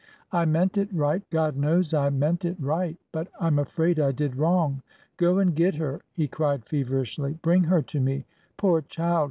I meant it right — God knows I meant it right! but — I 'm afraid I did wrong. Go and get her! " he cried feverishly. Bring her to me! Poor child!